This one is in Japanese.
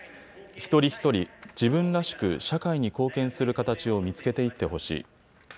一人一人、自分らしく社会に貢献する形を見つけていってほしい。